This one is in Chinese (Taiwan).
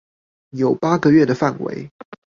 有八個月的範圍